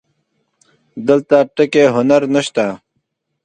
دلته ټکی هنر نه شته